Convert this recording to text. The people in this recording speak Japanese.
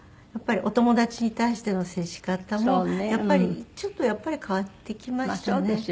やっぱりお友達に対しての接し方もちょっとやっぱり変わってきましたね。